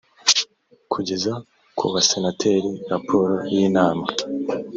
kugeza ku basenateri raporo y inama